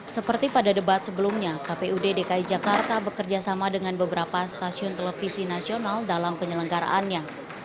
seperti pada debat sebelumnya kpud dki jakarta bekerjasama dengan beberapa stasiun televisi nasional dalam penyelenggaraannya